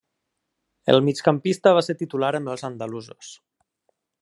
El migcampista va ser titular amb els andalusos.